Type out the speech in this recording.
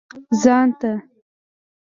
ځان ته.